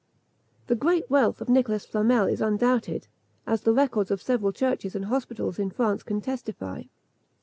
The great wealth of Nicholas Flamel is undoubted, as the records of several churches and hospitals in France can testify.